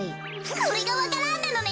これがわか蘭なのね。